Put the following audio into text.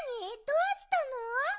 どうしたの？